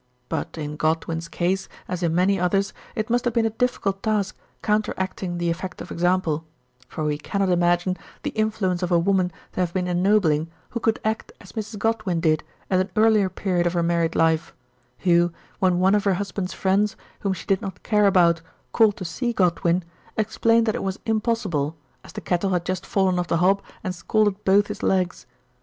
But in Godwin's case, as in many others, it must have been a difficult task counteracting the effect of example; for we cannot imagine the influence of a woman to have been ennobling who could act as Mrs. Godwin did at an early period of her married life ; who, when one of her husband's friends, whom she did not care about, called to see Godwin, ex plained that it was impossible, as the kettle had just fallen off the hob and scalded both his legs.